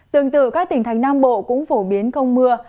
tương tự các tỉnh thành nam bộ cũng phổ biến không mưa